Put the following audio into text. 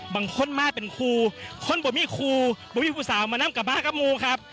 บางคนมาเป็นครูคนบ่มิครูบ่มิผู้สาวมานำกับมากมูครับ